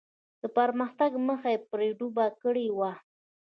د پرمختګ مخه یې پرې ډپ کړې وه.